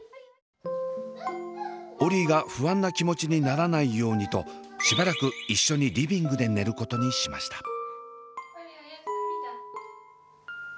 オリィが不安な気持ちにならないようにとしばらく一緒にリビングで寝ることにしました。